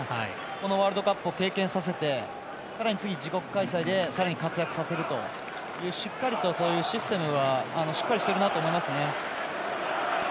このワールドカップを経験させて、さらに次自国開催で、さらに活躍させるとそういうシステムはしっかりしてるなと思いますね。